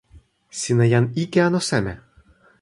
sina jan ike anu seme?